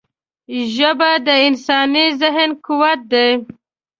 ژبه د انساني ذهن قوت ده